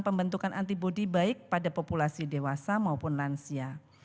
pembentukan antibody baik pada populasi dewasa maupun lansia